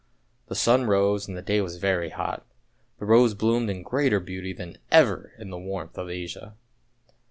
The sun rose and the day was very hot, the rose bloomed in greater beauty than ever in the warmth of Asia.